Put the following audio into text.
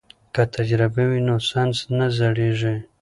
که تجربه وي نو ساینس نه زړیږي.